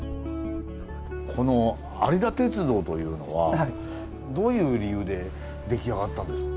この有田鉄道というのはどういう理由で出来上がったんですか？